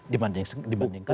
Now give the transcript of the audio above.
dibandingkan dengan jawa tengah